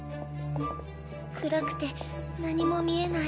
暗くて何も見えない。